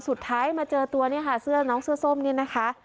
สุดท้ายมาเจอตัวเนี่ยค่ะเสื้อน้องเสื้อส้มเนี่ยนะคะ